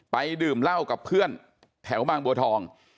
ดื่มเหล้ากับเพื่อนแถวบางบัวทอง